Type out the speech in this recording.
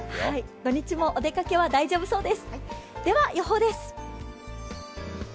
土・日もお出かけは大丈夫そうです。